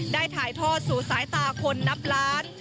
ได้ถ่ายทอดสู่สายตาคนนับล้าน